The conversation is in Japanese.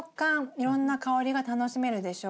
いろんな香りが楽しめるでしょ。